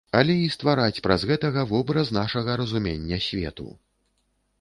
Але і ствараць праз гэтага вобраз нашага разумення свету.